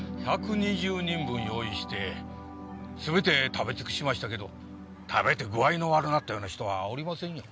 １２０人分用意してすべて食べ尽くしましたけど食べて具合の悪なったような人はおりませんよ。